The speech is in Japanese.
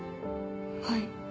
はい。